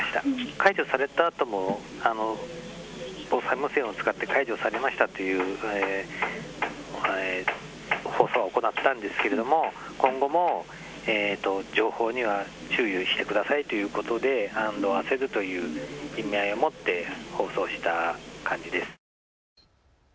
解除されたあとも防災無線を使って解除されましたと放送は行ったんですけれど今後も情報には注意をしてくださいということで案内をするという意味合いを持って放送した感じです。